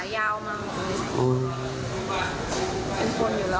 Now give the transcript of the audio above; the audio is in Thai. เขาก็รีบหนี